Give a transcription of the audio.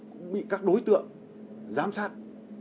cũng bị các đối tượng giám sát